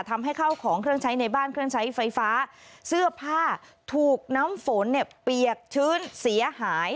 ทำให้เข้าของเครื่องใช้ในบ้านเครื่องใช้ไฟฟ้าเสื้อผ้าถูกน้ำฝนเนี่ยเปียกชื้นเสียหาย